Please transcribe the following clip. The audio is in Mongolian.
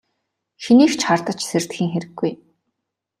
Хэнийг ч хардаж сэрдэхийн хэрэггүй.